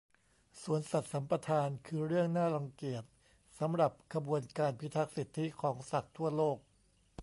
สวนสัตว์สัมปทานคือเรื่องน่ารังเกียจสำหรับขบวนการพิทักษ์สิทธิของสัตว์ทั่วโลก